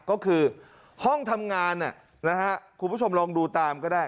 ก็คือห้องทำงานคุณผู้ชมลองดูตามก็ได้